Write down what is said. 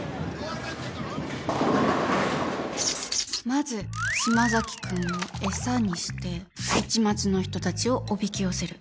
まず島崎君を餌にして市松の人たちをおびき寄せる。